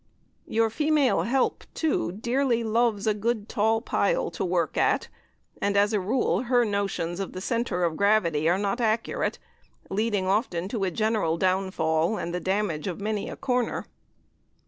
Your female "help," too, dearly loves a good tall pile to work at and, as a rule, her notions of the centre of gravity are not accurate, leading often to a general downfall, and the damage of many a corner.